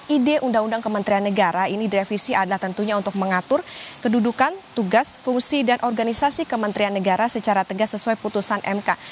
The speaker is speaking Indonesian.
ide undang undang kementerian negara ini direvisi adalah tentunya untuk mengatur kedudukan tugas fungsi dan organisasi kementerian negara secara tegas sesuai putusan mk